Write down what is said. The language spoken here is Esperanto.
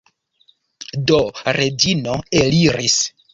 Do Reĝino eliris.